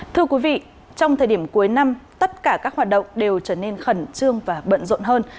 thưa quý vị trong thời điểm cuối năm tất cả các hoạt động đều trở nên khẩn trương và bận rộn hơn